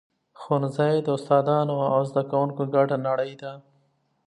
ښوونځی د استادانو او زده کوونکو ګډه نړۍ ده.